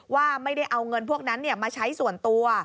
ว่าไม่ได้เอาเงินพวกนั้นมาใช้ส่วนตัว